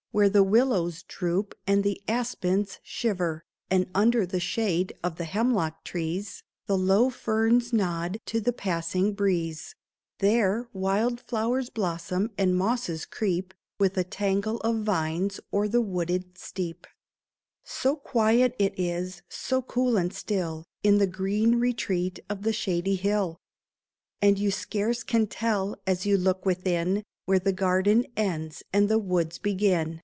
Where the willows droop and the aspens shiver, And under the shade of the hemlock trees The low ferns nod to the passing breeze ; There wild flowers blossom, and mosses creep With a tangle of vines o'er the wooded steep. 378 AN OLD FASHIONED GARDEN So quiet it is, so cool and still, In the green retreat of the shady hill ! And you scarce can tell, as you look within. Where the garden ends and the woods begin.